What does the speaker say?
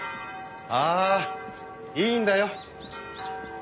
ああいいんだよ。